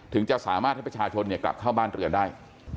จะสามารถให้ประชาชนกลับเข้าบ้านเรือนได้